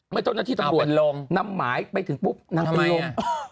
เมื่อต้นที่ตำรวจนำหมายไปถึงปุ๊บนางตีลง